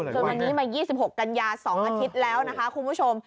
จนวันนี้มา๒๖กันยา๒อาทิตย์แล้วนะคะคุณผู้ชม